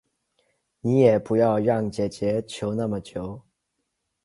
你也不要让姐姐求那么久